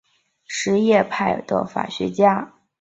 什叶派的法学家也认为取得监护人同意是必须的。